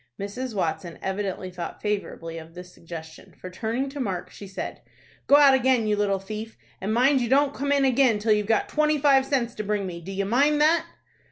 Mrs. Watson evidently thought favorably of this suggestion, for, turning to Mark, she said, "Go out again, you little thief, and mind you don't come in again till you've got twenty five cents to bring to me. Do you mind that?"